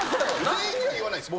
全員には言わないです